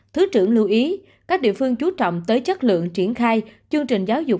thứ trưởng lưu ý các địa phương chú trọng tới chất lượng triển khai chương trình giáo dục